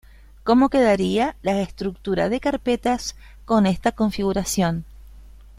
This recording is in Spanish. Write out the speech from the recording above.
como quedaría la estructura de carpetas con esta configuración